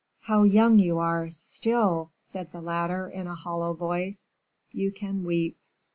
"How young you are still!" said the latter, in a hollow voice; "you can weep!"